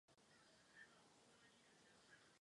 Thomas Say se narodil ve Filadelfii do prominentní rodiny.